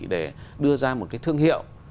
để đưa ra một cái thương hiệu